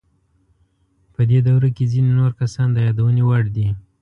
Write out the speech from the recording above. په دې دوره کې ځینې نور کسان د یادونې وړ دي.